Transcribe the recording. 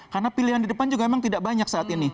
karena pilihan di depan juga memang tidak banyak saat ini